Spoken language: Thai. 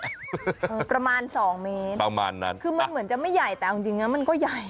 อ๋อกะใช่มั้ยความยาวของมันประมาณ๒เมตรคือมันเหมือนจะไม่ใหญ่แต่จริงมันก็ใหญ่